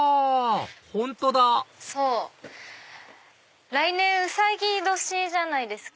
本当だ来年うさぎ年じゃないですか。